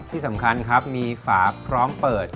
ที่สำคัญครับมีฝาพร้อมเปิด